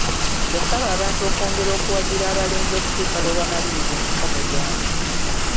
Yasaba abantu okwongera okuwagira abalenzi okutuusa lwe bamaliriza emisomo gyabwe.